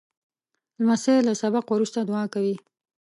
لمسی له سبق وروسته دعا کوي.